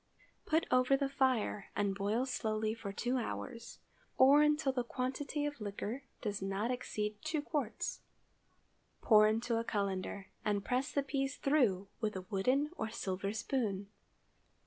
Put over the fire, and boil slowly for two hours, or until the quantity of liquor does not exceed two quarts. Pour into a cullender, and press the peas through it with a wooden or silver spoon.